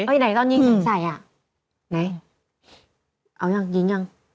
เอายังยิงยัง